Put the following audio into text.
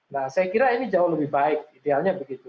nah saya kira ini jauh lebih baik idealnya begitu